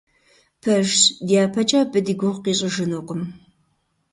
Пэжщ, дяпэкӀэ абы ди гугъу къищӀыжынукъым.